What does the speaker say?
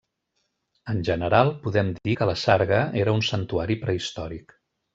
En general, podem dir que la Sarga era un santuari prehistòric.